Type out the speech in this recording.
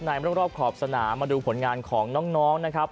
รอบขอบสนามมาดูผลงานของน้องนะครับ